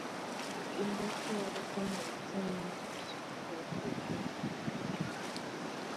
In that year the firm was joined by Frederick Whinney.